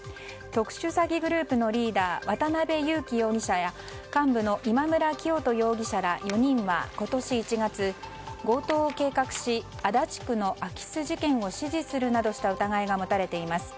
特殊詐欺グループのリーダー渡辺優樹容疑者や幹部の今村磨人容疑者ら４人は今年１月、強盗を計画し足立区の空き巣事件を指示するなどした疑いが持たれています。